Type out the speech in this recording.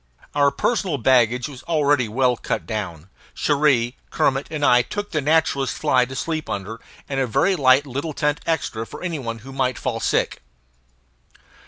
Our personal baggage was already well cut down: Cherrie, Kermit, and I took the naturalist's fly to sleep under, and a very light little tent extra for any one who might fall sick.